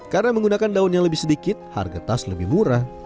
karena menggunakan daun yang lebih sedikit harga tas lebih murah